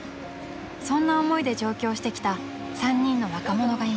［そんな思いで上京してきた３人の若者がいます］